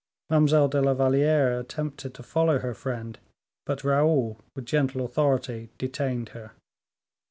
Mademoiselle de la Valliere attempted to follow her friend, but Raoul, with gentle authority, detained her.